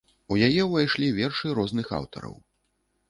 У яе ўвайшлі вершы розных аўтараў.